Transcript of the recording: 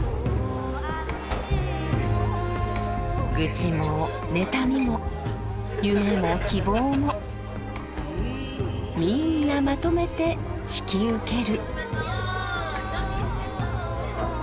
愚痴も妬みも夢も希望もみんなまとめて引き受ける。